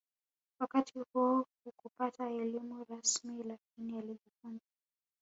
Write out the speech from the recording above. Wakati huo hakupata elimu rasmi lakini alijifunza